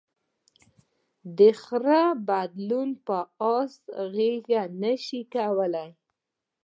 د خره بدلون په آس اغېز نهشي کولی.